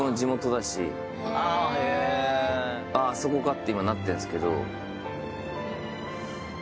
あっあそこかって今なってんすけど。